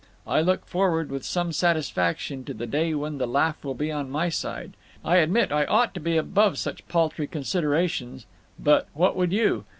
I look forward, with some satisfaction, to the day when the laugh will be on my side. I admit I ought to be above such paltry considerations, but, what would you?